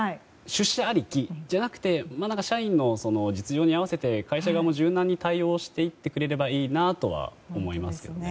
出社ありきじゃなくて社員の実情に合わせて会社側も柔軟に対応していってくれたらいいなとは思いますね。